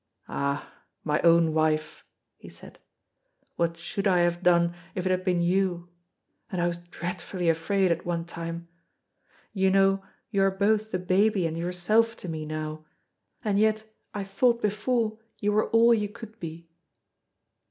"Ah, my own wife," he said, "what should I have done if it had been you? and I was dreadfully afraid at one time! You know you are both the baby and yourself to me now, and yet I thought before you were all you could be."